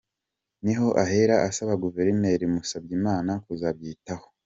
Niho ahera asaba Guverineri Musabyimana kuzabyitaho.